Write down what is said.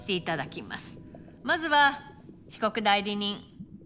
まずは被告代理人。